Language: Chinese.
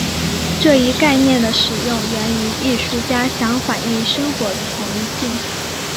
这一概念的使用源于艺术家想反映生活的统一性。